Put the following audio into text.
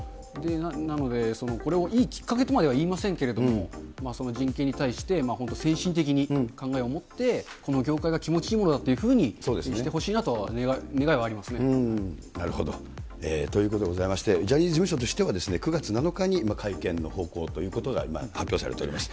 なので、これをいいきっかけとまでは言いませんけれども、その人権に対して、本当、精神的に考えを持って、この業界が気持ちいいものだというふうにしてほしいなと、願いはなるほど。ということでございまして、ジャニーズ事務所としては、９月７日に会見の方向ということが、今、発表されております。